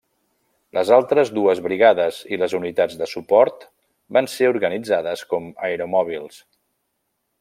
Les altres dues brigades i les unitats de suport van ser organitzades com aeromòbils.